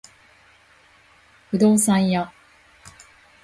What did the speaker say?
不動産屋